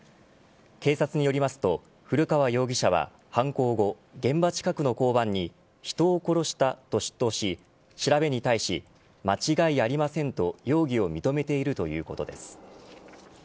警察によりますと古川容疑者は犯行後現場近くの交番に人を殺したと出頭し調べに対し間違いありませんと容疑を認めているということです。